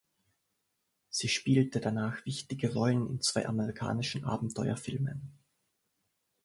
Sie spielte danach wichtige Rollen in zwei amerikanischen Abenteuerfilmen.